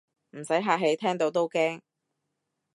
唔使客氣，聽到都驚